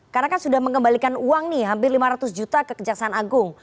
karena kan sudah mengembalikan uang nih hampir lima ratus juta ke kejaksaan agung